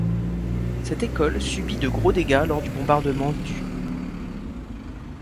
Cette école subit de gros dégâts lors du bombardement du.